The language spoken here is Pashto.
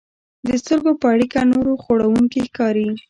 د سترګو په اړیکه نور خوړونکي ښکاري.